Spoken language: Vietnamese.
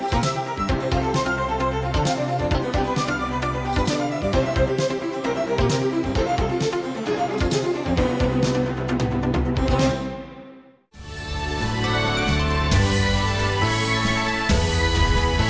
hẹn gặp lại